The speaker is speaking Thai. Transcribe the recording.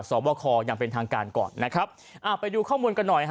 สอบคออย่างเป็นทางการก่อนนะครับอ่าไปดูข้อมูลกันหน่อยฮ